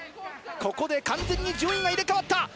ここで完全に順位が入れ替わった。